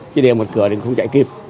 khi đề một cửa thì không chạy kịp